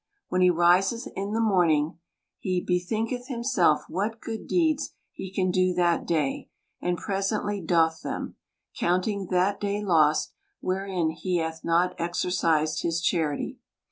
When he riseth in the morning, he bethink eth himself what good deeds he can do that day, and presently doth them ; counting that day lost, wherein he hath not exercised his charity.